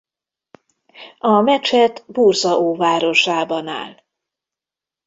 A mecset Bursa óvárosában áll.